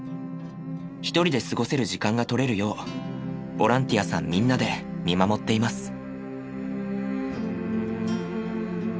一人で過ごせる時間が取れるようボランティアさんみんなで見守っています。